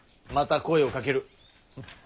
また声をかける。